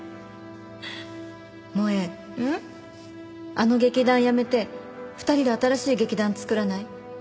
あの劇団辞めて２人で新しい劇団作らない？